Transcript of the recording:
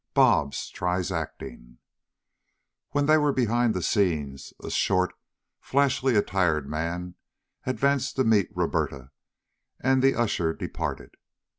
BOBS TRIES ACTING When they were behind the scenes, a short, flashily attired man advanced to meet Roberta and the usher departed.